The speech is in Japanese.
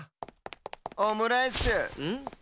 オムライスん？